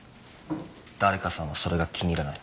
誰かさんはそれが気に入らない。